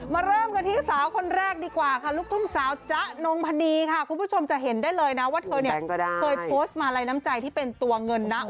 เริ่มกันที่สาวคนแรกดีกว่าค่ะลูกทุ่งสาวจ๊ะนงพนีค่ะคุณผู้ชมจะเห็นได้เลยนะว่าเธอเนี่ยเคยโพสต์มาลัยน้ำใจที่เป็นตัวเงินนะ